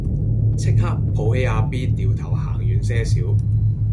即刻抱起阿 B 掉頭行遠些少